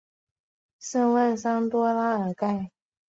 圣万桑多拉尔盖。